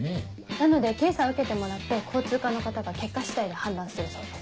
なので検査を受けてもらって交通課の方が結果次第で判断するそうです。